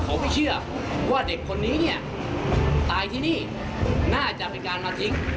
เขาไม่เชื่อว่าเด็กคนนี้เนี่ยตายที่นี่น่าจะเป็นการมาทิ้ง